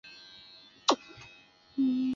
三裂羊耳蒜为兰科羊耳蒜属下的一个种。